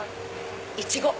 イチゴ！